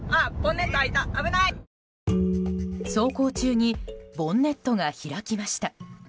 走行中にボンネットが開きました。